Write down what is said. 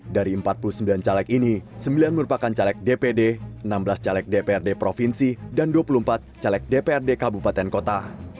dari empat puluh sembilan caleg ini sembilan merupakan caleg dpd enam belas caleg dprd provinsi dan dua puluh empat caleg dprd kabupaten kota